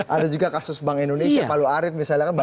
ada juga kasus bank indonesia palu arit misalnya kan